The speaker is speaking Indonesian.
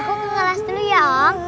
aku ke kelas dulu ya om